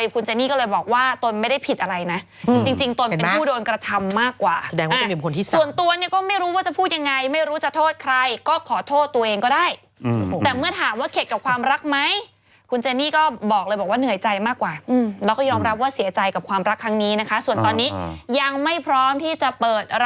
คุณเจนี่ก็เลยบอกว่าตนไม่ได้ผิดอะไรนะจริงตนเป็นผู้โดนกระทำมากกว่าแสดงว่าส่วนตัวเนี่ยก็ไม่รู้ว่าจะพูดยังไงไม่รู้จะโทษใครก็ขอโทษตัวเองก็ได้แต่เมื่อถามว่าเข็ดกับความรักไหมคุณเจนี่ก็บอกเลยบอกว่าเหนื่อยใจมากกว่าแล้วก็ยอมรับว่าเสียใจกับความรักครั้งนี้นะคะส่วนตอนนี้ยังไม่พร้อมที่จะเปิด